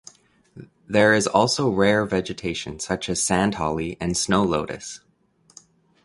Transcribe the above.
There is also rare vegetation such as sand holly and snow lotus.